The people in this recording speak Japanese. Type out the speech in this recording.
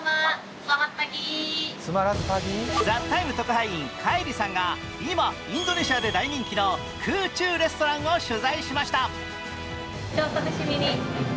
特派員、カイリさんが今、インドネシアで大人気の空中レストランを取材しました。